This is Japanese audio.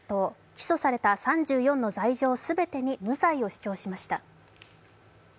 起訴された３４の罪状全てに無罪を主張しました。